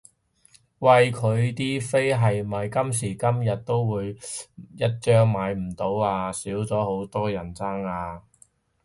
喂佢啲飛係咪今時今日都會一張買唔到啊？少咗好多人爭啦？